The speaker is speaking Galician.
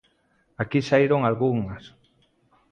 Aquí saíron algunhas.